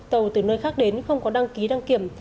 tàu từ nơi khác đến không có đăng ký đăng kiểm